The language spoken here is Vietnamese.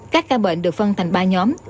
các ca bệnh được phân thành ba nhóm